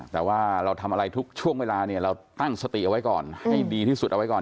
แต่ว่าเราทำอะไรทุกช่วงเวลาเนี่ยเราตั้งสติเอาไว้ก่อนให้ดีที่สุดเอาไว้ก่อน